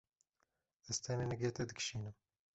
Ez tenê nigê te dikişînim.